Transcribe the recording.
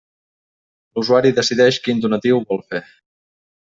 L'usuari decideix quin donatiu vol fer.